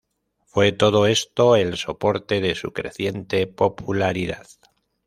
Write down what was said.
Fue todo esto el soporte de su creciente popularidad.